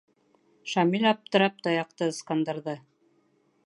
Шамил аптырап таяҡты ысҡындырҙы: